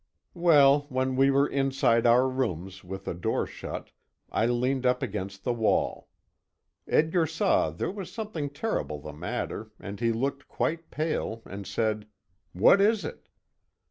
Well, when we were inside our rooms, with the door shut, I leaned up against the wall. Edgar saw there was something terrible the matter, and he looked quite pale and said: "What is it?"